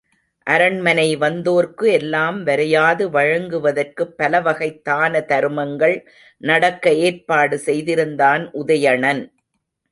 அரண்மனை வந்தோர்க்கு எல்லாம் வரையாது வழங்குவதற்குப் பலவகைத் தான தருமங்கள் நடக்க ஏற்பாடு செய்திருந்தான் உதயணன்.